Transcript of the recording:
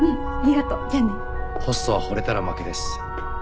うんあホストはほれたら負けです。